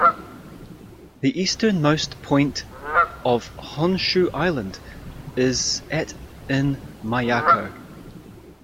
The easternmost point of Honshu island is at in Miyako.